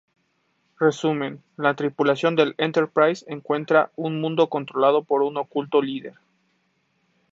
Resumen: La tripulación del "Enterprise" encuentra un mundo controlado por un oculto líder.